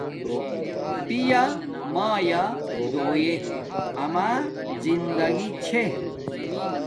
پیا مایا دویݵ اما زندگی چھے